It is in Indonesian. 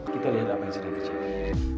kita lihat apa yang sedang terjadi